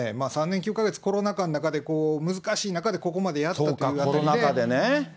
３年９か月、コロナ禍の中で難しい中でここまでやったというあたりで。